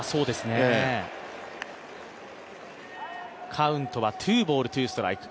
カウントはツーボールツーストライク。